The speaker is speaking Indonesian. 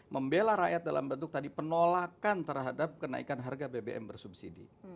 membela rakyat dalam bentuk tadi penolakan terhadap kenaikan harga bbm bersubsidi